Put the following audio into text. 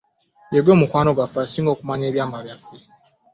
Ye gwe mukwano gwaffe asinga okumanya ebyama byaffe.